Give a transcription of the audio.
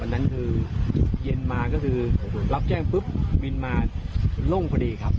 นั้นคือเย็นมาก็คือรับแจ้งปุ๊บวินมาโล่งพอดีครับ